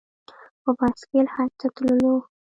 په بایسکل حج ته تللو.